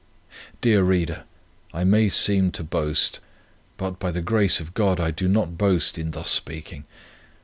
Dear reader, I may seem to boast; but, by the grace of God, I do not boast in thus speaking.